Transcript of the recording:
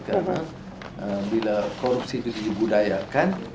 karena bila korupsi itu dibudayakan